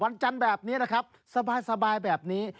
วันจันทร์แบบนี้นะครับสบายแบบนี้